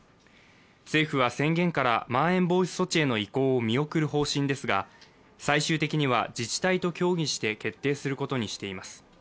政府は宣言からまん延防止措置への意向を見送る方針ですが、最終的には自治体と協議して決定することにしています。